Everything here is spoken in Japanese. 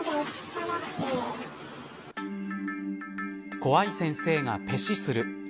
怖い先生がペシする。